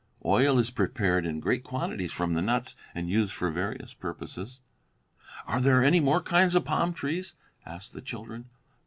Oil is prepared in great quantities from the nuts and used for various purposes." "Are there any more kinds of palm trees?" asked the children.